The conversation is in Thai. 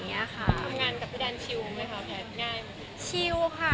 ทำงานกับพี่แดนชิวไหมค่ะแบบง่าย